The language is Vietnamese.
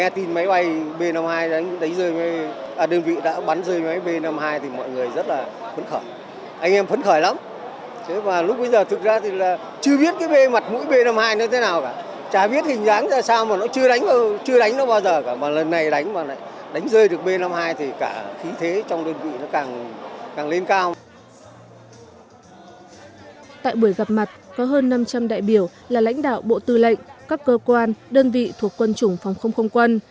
tại buổi gặp mặt có hơn năm trăm linh đại biểu là lãnh đạo bộ tư lệnh các cơ quan đơn vị thuộc quân chủng phòng không không quân